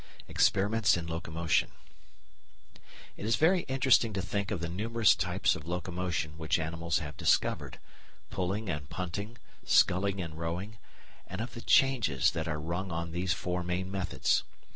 Experiments in Locomotion It is very interesting to think of the numerous types of locomotion which animals have discovered pulling and punting, sculling and rowing, and of the changes that are rung on these four main methods.